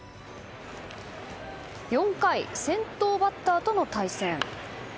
４回、先頭バッターとの対戦。